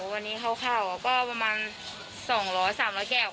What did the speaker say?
วันนี้คร่าวคร่าวก็ประมาณสองหล่อสามหล่อแก้ว